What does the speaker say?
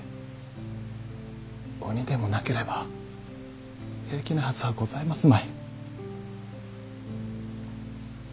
鬼でもなければ平気なはずはございますまい。